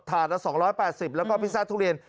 ถาดละสองร้อยแปดสิบแล้วก็พิซซ่าทุเรียน